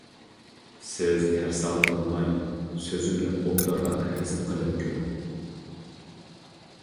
سىز تەرسالىق قىلماي سۆزۈمنى ئوبدانراق ھەزىم قىلىپ كۆرۈڭ.